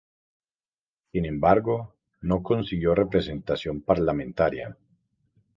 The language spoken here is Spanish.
Sin embargo, no consiguió representación parlamentaria.